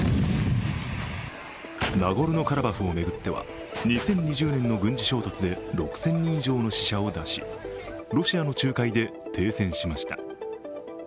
ナゴルノ・カラバフを巡っては２０２０年の軍事衝突で６０００人以上の死者を出しロシアの仲介で停戦しました。